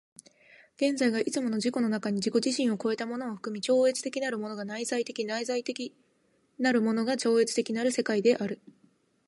現在がいつも自己の中に自己自身を越えたものを含み、超越的なるものが内在的、内在的なるものが超越的なる世界である。